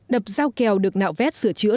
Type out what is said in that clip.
đập dao kèo được nạo vét sửa chữa